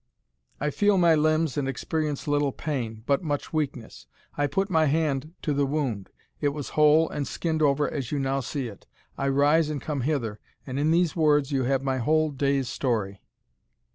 I feel my limbs, and experience little pain, but much weakness I put my hand to the wound it was whole and skinned over as you now see it I rise and come hither; and in these words you have my whole day's story."